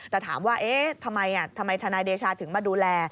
แต่ถามว่าเอ๊ะทำไมทนายเดชาถึงมาดูแล